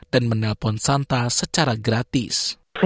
dan menelpon santa secara gratis